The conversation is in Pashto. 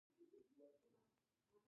په لویو پانګوالو هېوادونو کې دوی ډېر لږ دي